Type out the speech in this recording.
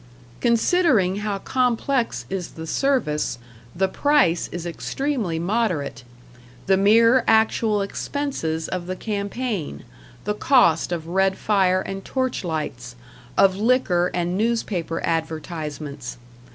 Considering how complex is the service, the price is extremely moderate the mere actual expenses of the campaign, the cost of red fire and torch lights, of liquor and newspaper advertisements.